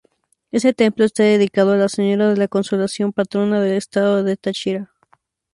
Este templo está dedicado a la Señora de La Consolación, patrona del estado Táchira.